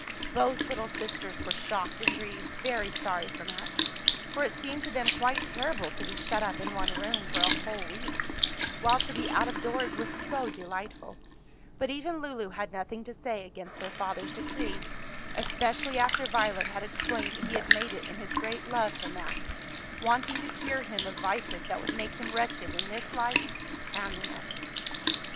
Both little sisters were shocked and grieved, very sorry for Max, for it seemed to them quite terrible to be shut up in one room for a whole week, while to be out of doors was so delightful; but even Lulu had nothing to say against their father's decree, especially after Violet had explained that he had made it in his great love for Max, wanting to cure him of vices that would make him wretched in this life and the next.